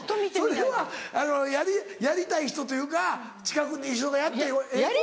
それはやりたい人というか近くにいる人がやったらええ。